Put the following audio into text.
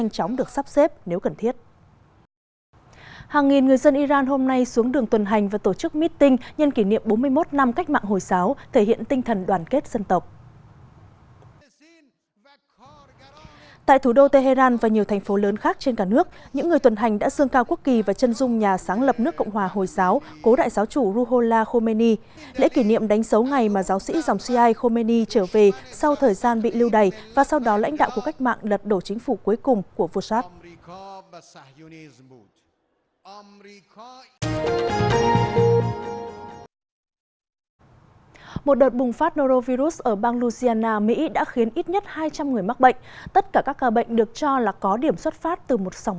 một đợt bùng phát norovirus ở bang louisiana mỹ đã khiến ít nhất hai trăm linh người mắc bệnh tất cả các ca bệnh được cho là có điểm xuất phát từ một sòng bạc ở địa phương